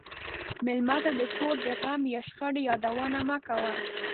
مېلمه ته د کور د غم یا شخړې یادونه مه کوه.